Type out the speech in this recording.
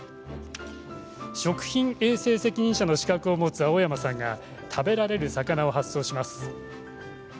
食品衛生責任者の資格を持つ青山さんが食べられる魚を発送します。